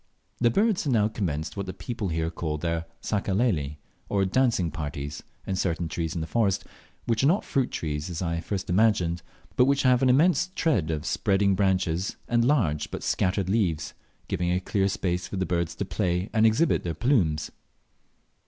The birds had now commenced what the people here call their "sacaleli," or dancing parties, in certain trees in the forest, which are not fruit trees as I at first imagined, but which have an immense tread of spreading branches and large but scattered leaves, giving a clear space for the birds to play and exhibit their plumes.